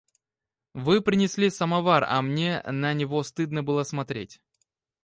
Вы принесли самовар, а мне на него стыдно было смотреть.